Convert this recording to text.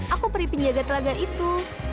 aku peri penjaga telaga itu